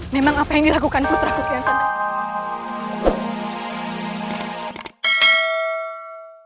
memang apa yang dilakukan putra mukian santan